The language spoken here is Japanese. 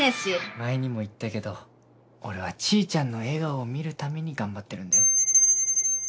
前にも言ったけど俺はちーちゃんの笑顔を見るために頑張ってるんだよ。